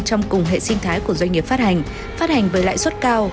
trong cùng hệ sinh thái của doanh nghiệp phát hành phát hành với lãi suất cao